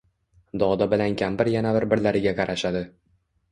Doda bilan kampir yana bir birlariga qarashadi.